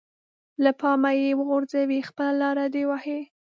له پامه يې وغورځوي خپله لاره دې وهي.